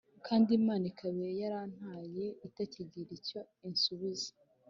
kandi imana ikaba yarantaye itakigira icyo insubiza